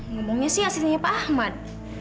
ngomongnya sih asistennya pak ahmad